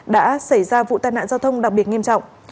đã xảy ra vụ tai nạn giao thông đặc biệt nghiêm trọng